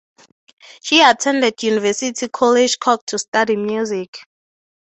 She attended University College Cork to study Music.